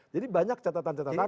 jadi banyak catatan catatan